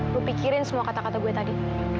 lu pikirin semua kata kata gue tadi